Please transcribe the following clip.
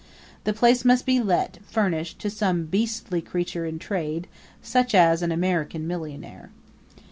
the place must be let, furnished, to some beastly creature in trade, such as an American millionaire.